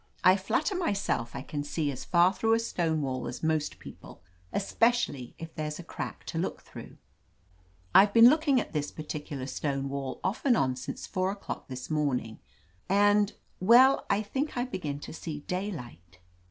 "I flatter myself I can see as far through a stone wall as most people, especially if there's a crack to look « through. I've been looking at this particular stone wall off and on since four o'clock this morning, and — ^well, I think I begin to see daylight."